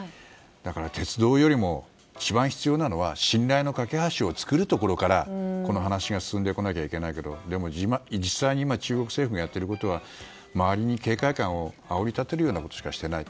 だから鉄道より一番大切なのは信頼の架け橋を作るところから、この話が進んでこなきゃいけないけどでも実際に今中国政府がやっていることは周りに警戒感をあおり立てるようなことしかしていない。